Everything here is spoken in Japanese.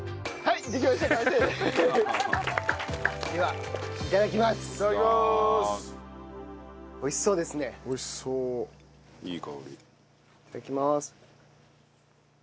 いただきます！